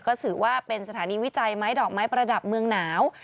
ก็ถือว่าเป็นสถานีวิจัยไม้ดอกไม้ประดับเมืองหนาว